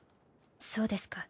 そうですか。